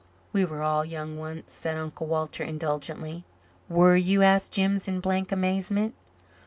"We were all young once," said Uncle Walter indulgently. "Were you?" asked Jims in blank amazement.